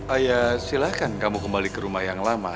ah ya silahkan kamu kembali ke rumah yang lama